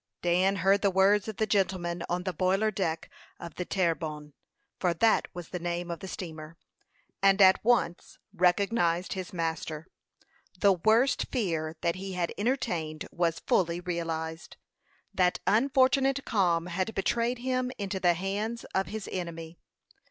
Dan heard the words of the gentleman on the boiler deck of the Terre Bonne, for that was the name of the steamer, and at once recognized his master. The worst fear that he had entertained was fully realized. That unfortunate calm had betrayed him into the hands of his enemy.